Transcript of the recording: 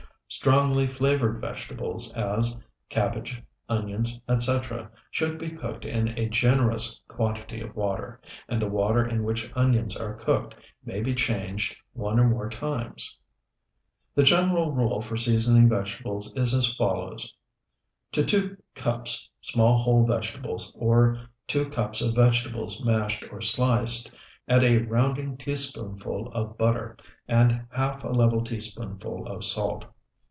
Strongly flavored vegetables, as cabbage, onions, etc., should be cooked in a generous quantity of water, and the water in which onions are cooked may be changed one or more times. The general rule for seasoning vegetables is as follows: To two cups small whole vegetables, or two cups of vegetables mashed or sliced, add a rounding teaspoonful of butter, and half a level teaspoonful of salt.